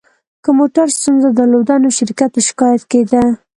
که موټر ستونزه درلوده، نو شرکت ته شکایت کېده.